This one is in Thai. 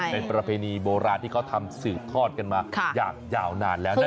เป็นประเพณีโบราณที่เขาทำสืบทอดกันมาอย่างยาวนานแล้วนะ